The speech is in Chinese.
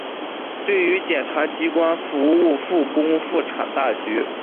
对于检察机关服务复工复产大局